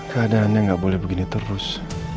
keadaannya nggak boleh begini terus